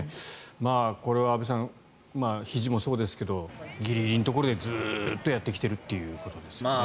これは安部さんひじもそうですけどギリギリのところでずっとやってきているということですね。